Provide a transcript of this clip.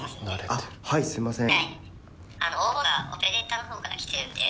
あっはいすいません